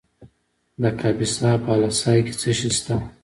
د کاپیسا په اله سای کې څه شی شته؟